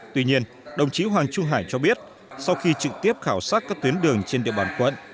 tuy nhiên đồng chí hoàng trung hải cho biết sau khi trực tiếp khảo sát các tuyến đường trên địa bàn quận